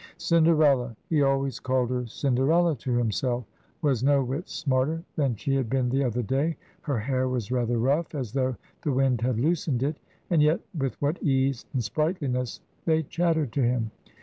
Cinderella he always called her Cinderella to himself was no whit smarter than she had been the other day; her hair was rather rough, as though the wind had loosened it. And yet with what ease and sprightliness they chattered to him!